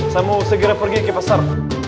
saya mau segera pergi ke pasar